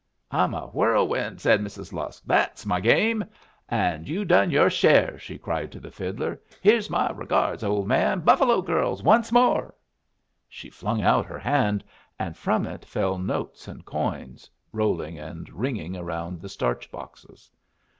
"I'm a whirlwind!" said Mrs. Lusk. "That's my game! And you done your share," she cried to the fiddler. "Here's my regards, old man! 'Buffalo Girls' once more!" She flung out her hand, and from it fell notes and coins, rolling and ringing around the starch boxes.